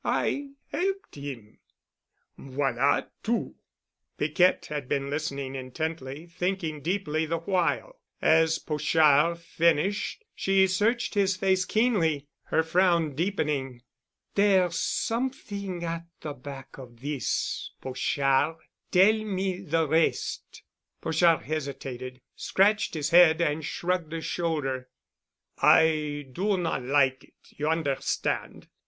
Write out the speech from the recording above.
I helped him. Voilà tout." Piquette had been listening intently, thinking deeply the while. As Pochard finished, she searched his face keenly—her frown deepening. "There's something at the back of this, Pochard. Tell me the rest." Pochard hesitated, scratched his head and shrugged a. shoulder. "I do not like it, you understand.